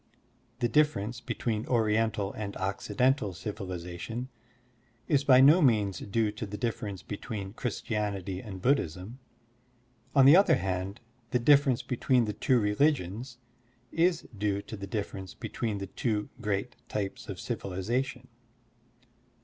The difference between Oriental and Occidental civilization is by no means due to the difference between Christianity and Buddhism. On the other hand, the difference between the two religions is due to the difference between the two great types of civilization.